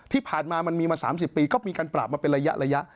ที่ผ่านมามันมีมา๓๐ปีก็มีการปราบมาเป็นระยะ